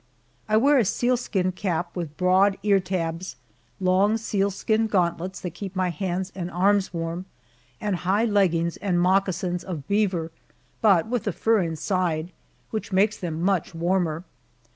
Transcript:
I wear a sealskin cap with broad ear tabs, long sealskin gauntlets that keep my hands and arms warm, and high leggings and moccasins of beaver, but with the fur inside, which makes them much warmer.